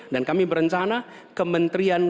dan kami berencana kementerian